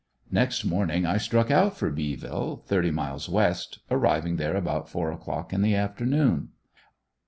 Next morning I struck out for Beeville, thirty miles west, arriving there about four o'clock in the afternoon.